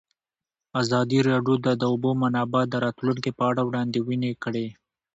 ازادي راډیو د د اوبو منابع د راتلونکې په اړه وړاندوینې کړې.